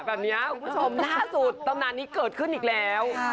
แบบนี้คุณผู้ชมล่าสุดตำนานนี้เกิดขึ้นอีกแล้ว